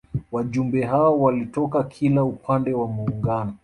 Wajumbe hao walitoka kila upande wa Muungano